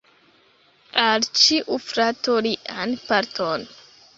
Al ĉiu frato lian parton.